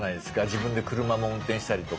自分で車も運転したりとか。